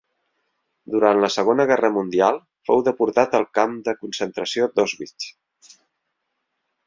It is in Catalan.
Durant la segona guerra mundial fou deportat al camp de concentració d'Auschwitz.